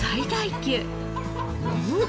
うん！